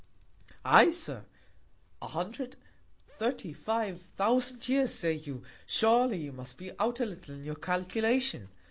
Ay, Sir, an hundred thirty five thousand Years, say you, surely you must be out a little in your Calculation.